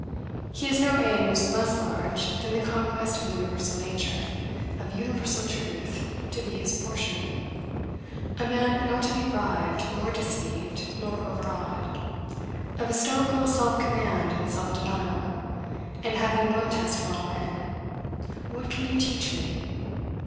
He has no aims less large than the conquest of universal nature, of universal truth, to be his portion; a man not to be bribed, nor deceived, nor overawed; of a stoical self command and self denial, and having one test for all men, What can you teach me?